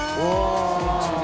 水中で。